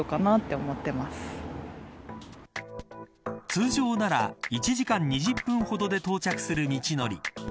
通常なら１時間２０分ほどで到着する道のり。